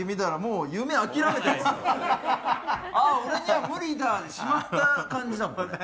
あー、俺には無理だーでしまった感じだもん。